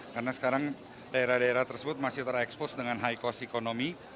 karena sekarang daerah daerah tersebut masih terekspos dengan high cost economy